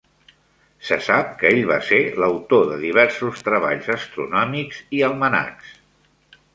Se sap que ell va ser l'autor de diversos treballs astronòmics i almanacs.